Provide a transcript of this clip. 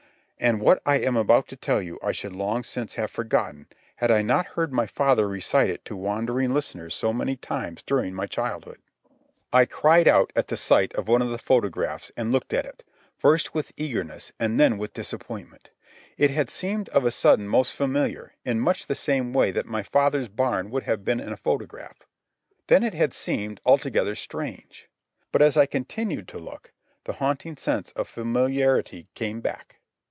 And what I am about to tell you I should long since have forgotten had I not heard my father recite it to wondering listeners so many times during my childhood. I cried out at sight of one of the photographs and looked at it, first with eagerness, and then with disappointment. It had seemed of a sudden most familiar, in much the same way that my father's barn would have been in a photograph. Then it had seemed altogether strange. But as I continued to look the haunting sense of familiarity came back.